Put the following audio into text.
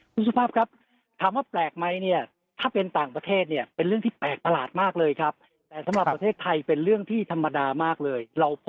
คุณสุภาพครับถามว่าแปลกไหมเนี่ย